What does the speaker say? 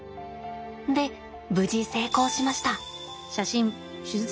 で無事成功しました。